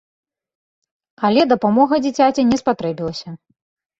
Але дапамога дзіцяці не спатрэбілася.